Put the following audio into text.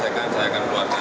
ini sudah dua tahun